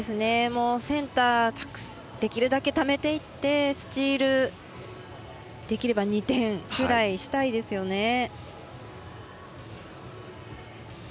センターにできるだけためていってスチール、できれば２点くらいしたいですね。